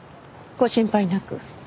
ご心配なく。